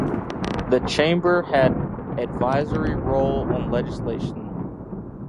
The chamber had advisory role on legislation.